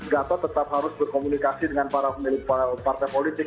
gatot tetap harus berkomunikasi dengan para pemilik partai politik